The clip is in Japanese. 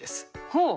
ほう。